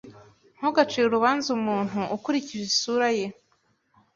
Ntugacire urubanza umuntu ukurikije isura ye.